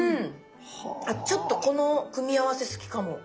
ちょっとこの組み合わせ好きかも。